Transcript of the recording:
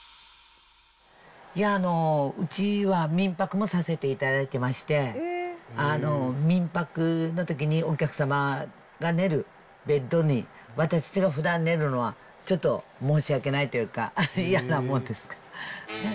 いや、うちは民泊もさせていただいてまして、民泊のときに、お客様が寝るベッドに私たちがふだん寝るのは、ちょっと申し訳ないというか、嫌なもんですから。